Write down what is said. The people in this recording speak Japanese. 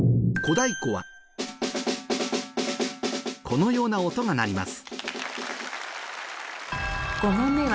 このような音が鳴ります